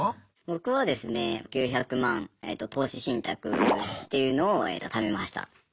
僕はですね９００万えと投資信託っていうのを貯めました。